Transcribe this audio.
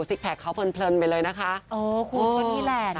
ซิกแพคเขาเพลินเพลินไปเลยนะคะเออคุณตอนนี้แหละนะ